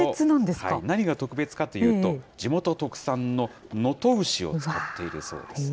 何が特別かというと、地元特産の能登牛を使っているそうです。